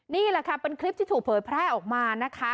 นี่แหละค่ะเป็นคลิปที่ถูกเผยแพร่ออกมานะคะ